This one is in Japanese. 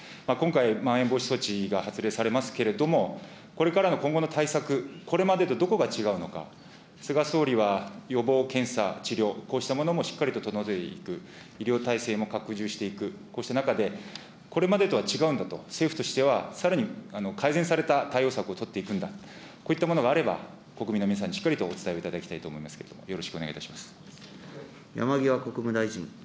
今回、まん延防止措置が発令されますけれども、これからの今後の対策、これまでとどこが違うのか、菅総理は、予防、検査、治療、こうしたものもしっかりと整えていく、医療体制も拡充していく、こうした中で、これまでとは違うんだと、政府としてはさらに、改善された対応策を取っていくんだ、こういったものがあれば、国民の皆さんにしっかりと、お伝えをいただきたいと思いますけれども、よろしくお願いいたします。